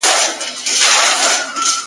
دښمني به سره پاته وي کلونه؛